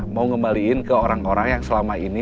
mau ngembaliin ke orang orang yang selama ini